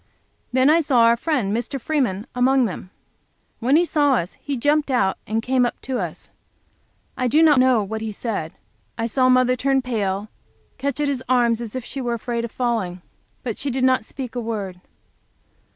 Then I saw our friend, Mr. Freeman, among them. When he saw us he jumped out and came up to us. I do not know what he said. I saw mother turn pale and catch at his arm as if she were afraid of falling. But she did not speak a word.